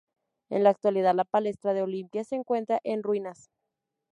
En la actualidad, la palestra de Olimpia se encuentra en ruinas.